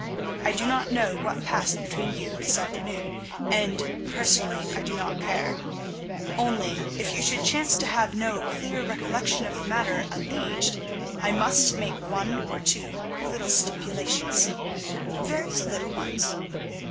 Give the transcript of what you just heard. I do not know what passed between you this afternoon, and personally I do not care, only, if you should chance to have no clear recollection of the matter alleged, I must make one or two little stipulations—very little ones.